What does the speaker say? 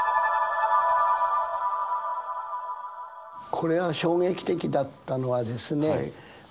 これは衝撃的だったのはですね